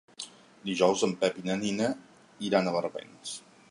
Dijous en Pep i na Nina iran a Barbens.